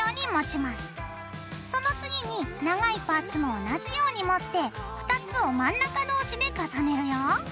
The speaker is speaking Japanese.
その次に長いパーツも同じように持って２つを真ん中同士で重ねるよ。